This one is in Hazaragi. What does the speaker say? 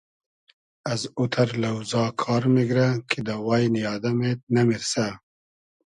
از اوتئر لۆزا کار میگرۂ کی دۂ واینی آدئم اېد نئمیرسۂ